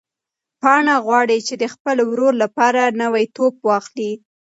پاڼه غواړي چې د خپل ورور لپاره نوی توپ واخلي.